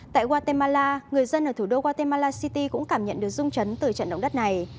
tại guatemala người dân ở thủ đô guatemala city cũng cảm nhận được rung chấn từ trận động đất này